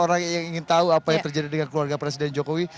orang yang ingin tahu apa yang terjadi dengan keluarga presiden jokowi